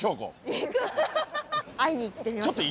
会いに行ってみましょう。